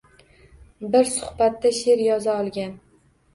Bir suhbatda she’r yoza olgan.